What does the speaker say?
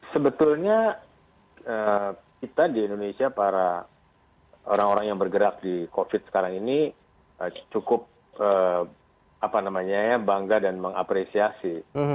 sebetulnya kita di indonesia para orang orang yang bergerak di covid sekarang ini cukup bangga dan mengapresiasi